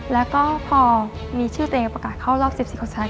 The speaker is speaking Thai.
แล้วก็พอมีชื่อตัวเองประกาศเข้ารอบ๑๔คนใช้